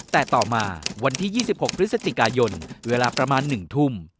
แต่ต่อมาวันที่๒๖พฤศจิกายนเวลาประมาณ๑ทุ่ม